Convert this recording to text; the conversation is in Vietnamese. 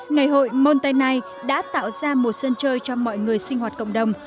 ngày hội montoni đã tạo ra một sân chơi cho mọi người sinh hoạt cộng đồng